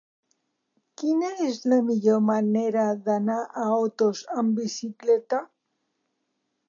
Quina és la millor manera d'anar a Otos amb bicicleta?